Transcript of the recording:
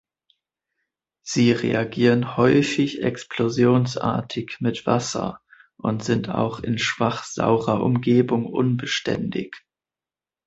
Sie reagieren häufig explosionsartig mit Wasser und sind auch in schwach saurer Umgebung unbeständig.